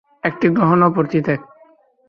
একটি গ্রহণ, অপরটি ত্যাগ।